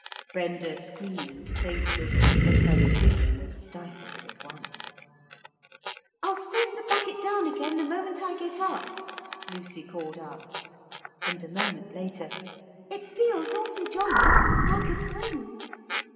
Brenda screamed faintly, but her scream was stifled at once. 'I'll send the bucket down again the moment I get up,' Lucy called out; and a moment later, 'it feels awfully jolly, like a swing.'